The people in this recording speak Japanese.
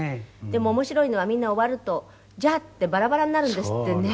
でも面白いのはみんな終わると「じゃあ」ってバラバラになるんですってね。